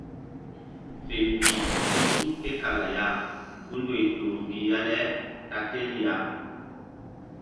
Fe mbih ti̧h suk ke kala ya gundoy toh mbih ya le ta tel ya.